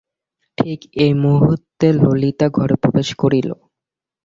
ঠিক এই মুহূর্তে ললিতা ঘরে প্রবেশ করিল।